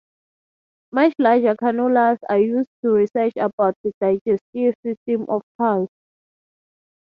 Much larger cannulas are used to research about the digestive system of cows.